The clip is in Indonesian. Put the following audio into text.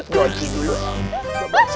mesin belum lebih hei